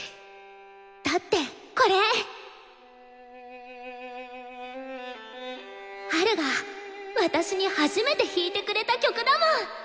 だってこれハルが私に初めて弾いてくれた曲だもん！